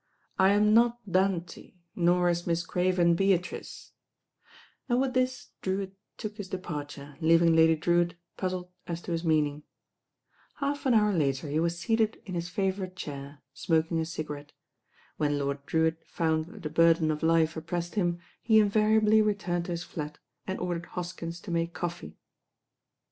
I am not Dante, nor is Miss Craven Beatrice," and with this Drewitt took his de parture, leaving Lady Drewitt puzzled as to his meaning. Half an hour later he was seated in his favourite chair, smoking a cigarette. When Lord Drewitt found that the burden of life oppressed him, he in variably returned to his flat and ordered Hoskins to make coffee.